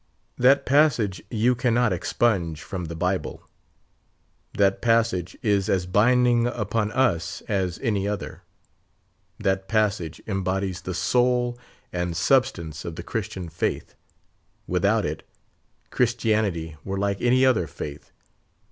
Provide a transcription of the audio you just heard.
That passage you can not expunge from the Bible; that passage is as binding upon us as any other; that passage embodies the soul and substance of the Christian faith; without it, Christianity were like any other faith.